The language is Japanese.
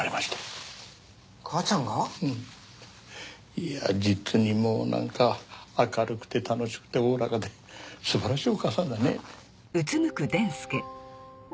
いやぁ実にもうなんか明るくて楽しくておおらかですばらしいお母さんだね。